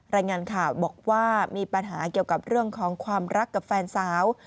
รายงานข่าวบอกว่ามีปัญหาเกี่ยวกับเรื่องของความรักกับแฟนสาว